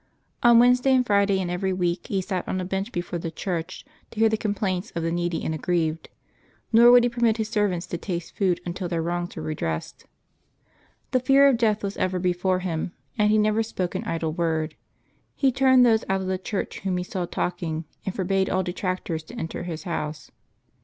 On Wednesday and Friday in every week he sat on a bench before the church, to hear the complaints of the needy and aggrieved ; nor would he permit his serv ants to taste food until their wrongs were redressed. The fear of death was ever before him, and he never spoke an idle word. He turned those out of church whom he saw talking, and forbade all detractors to enter his house.